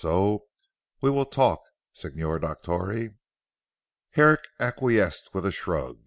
So, we will talk Signor Dottore." Herrick acquiesced with a shrug.